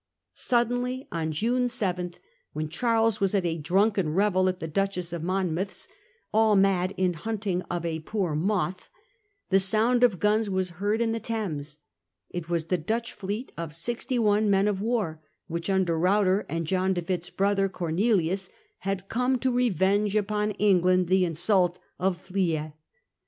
Suddenly, on June 7, when Charles was at a drunken revel at the Duchess of Monmouth's, ' all mad in hunting of a poor moth,' the sound of guns was heard in the Thames. It wjls the Dutch fleet of sixty one men of war, which, 1667. 139 Treaty of Breda. under Ruyter and John De Witt's brother Cornelius, had come to revenge upon England the insult of Flie.